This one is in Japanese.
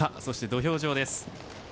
そして土俵上です。